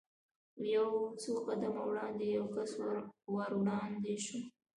یو څو قدمه وړاندې یو کس ور وړاندې شو.